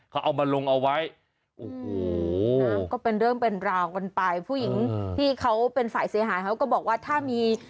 เขาเอามันลงเอาไว้